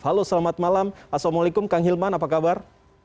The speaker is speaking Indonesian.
halo selamat malam assalamualaikum kang hilman apa kabar